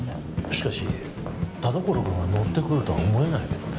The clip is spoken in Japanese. しかし田所君が乗ってくるとは思えないけどね